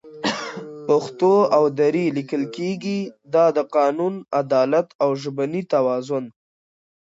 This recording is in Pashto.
پښتو او دري لیکل کېږي، دا د قانون، عدالت او ژبني توازن